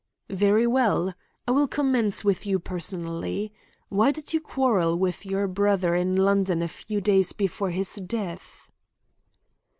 "Very well. I will commence with you personally. Why did you quarrel with your brother in London a few days before his death?"